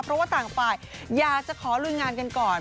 เพราะว่าต่างฝ่ายอยากจะขอลุยงานกันก่อน